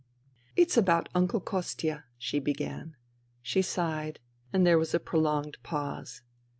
"It's about Uncle Kostia," she began. She sighed, and there was a prolonged pause.